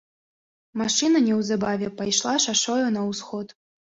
Машына неўзабаве пайшла шашою на ўсход.